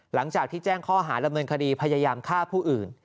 หลังจากที่แจ้งข้อหาดำเนินคดีพยายามฆ่าผู้อื่น